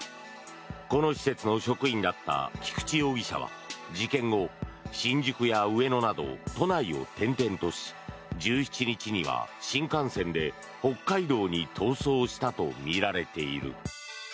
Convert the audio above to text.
この施設の職員だった菊池容疑者は事件後、新宿や上野など都内を転々とし１７日には新幹線で北海道に逃走したとみられている。